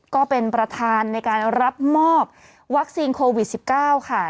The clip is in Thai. ก็เป็นประธานในการรับมอบวัคซีนโควิด๑๙ค่ะ